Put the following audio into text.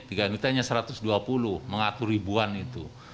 tiga juta hanya satu ratus dua puluh mengatur ribuan itu